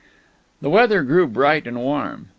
The weather grew bright and warm.